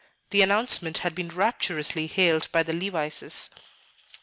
The announcement had been rapturously hailed by the Levices.